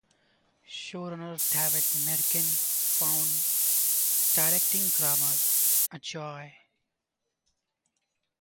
Showrunner David Mirkin found directing Grammer "a joy".